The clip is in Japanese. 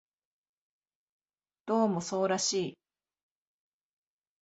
どうもそうらしい